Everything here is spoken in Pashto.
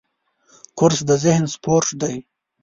کورس د ذهن سپورټ دی.